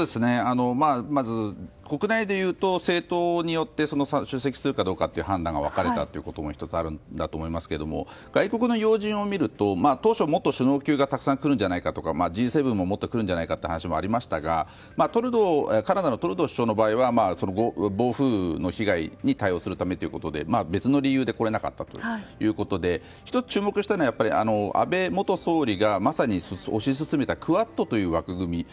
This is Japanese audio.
まず国内でいうと政党によって出席するかどうかという判断が分かれたというのも１つあると思いますが外国の要人を見ると当初、もっと首脳級がたくさん来るんじゃないかとかＧ７ももっと来るんじゃないかという話もありましたがカナダのトルドー首相の場合は暴風雨の被害に対応するためということで別の理由で来れなかったということで１つ注目したいのは安倍元総理がまさに推し進めたクアッドという取り組み。